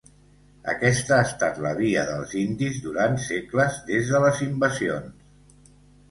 Aquesta ha estat la via dels indis durant segles, des de les invasions.